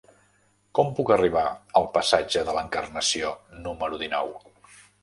Com puc arribar al passatge de l'Encarnació número dinou?